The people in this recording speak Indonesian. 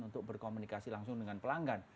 untuk berkomunikasi langsung dengan pelanggan